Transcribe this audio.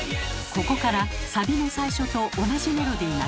ここからサビの最初と同じメロディーが繰り返されます。